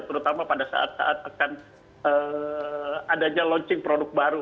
terutama pada saat saat akan adanya launching produk baru